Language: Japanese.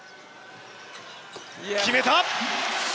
決めた！